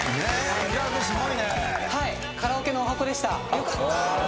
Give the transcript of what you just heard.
よかった。